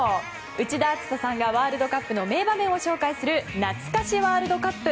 内田篤人さんがワールドカップの名場面を紹介するなつか史ワールドカップ。